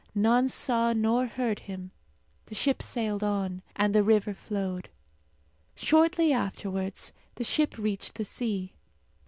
None saw nor heard him. The ship sailed on, and the river flowed. Shortly afterwards the ship reached the sea.